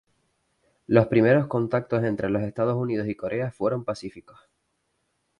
Los primeros contactos entre los Estados Unidos y Corea fueron pacíficos.